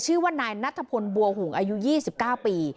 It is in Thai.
ชื่อว่านายนัทพลบัวหุงอายุ๒๙ปี